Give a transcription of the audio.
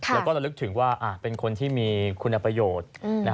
แล้วก็ระลึกถึงว่าเป็นคนที่มีคุณประโยชน์